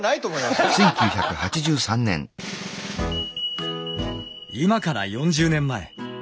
今から４０年前。